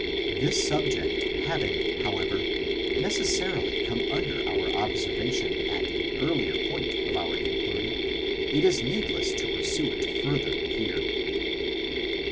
This subject having however necessarily come under our observation at an earlier point of our inquiry, it is needless to pursue it further here."